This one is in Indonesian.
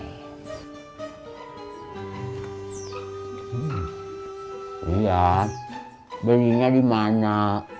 mas belinya di mana